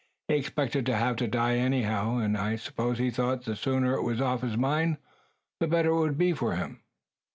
"He expected to have to die anyhow; and I suppose he thought the sooner it was off his mind the better it would be for him."